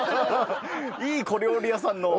いい小料理屋さんの。